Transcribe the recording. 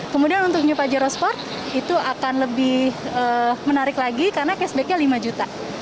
kemudian untuk new pajero sport itu akan lebih menarik lagi karena cashbacknya lima juta